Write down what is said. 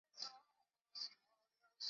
刘伯升退到棘阳据守。